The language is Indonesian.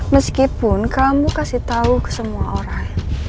meskipun kamu kasih tahu ke semua orang